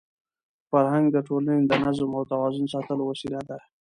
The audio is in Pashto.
فرهنګ د ټولني د نظم او توازن ساتلو وسیله ده.